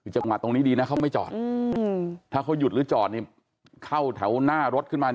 จังหวะตรงนี้ดีนะเขาไม่จอดถ้าเขาหยุดหรือจอดเข้าแถวหน้ารถขึ้นมา